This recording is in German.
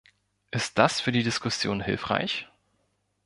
Ist das für die Diskussion hilfreich?